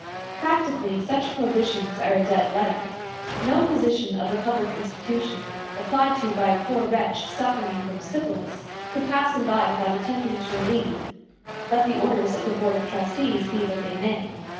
Practically such prohibitions are a dead letter. No physician of a public institution, applied to by a poor wretch suffering from syphilis, could pass him by without attempting to relieve, let the orders of the board of trustees be what they may.